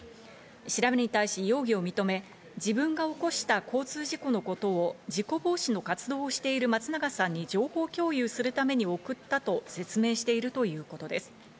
調べに対し容疑を認め、自分が起こした交通事故のことを事故防止の活動をしている松永さんに情報共有するために送ったと説明しているということです。